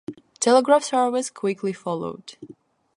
Telegraph service quickly followed.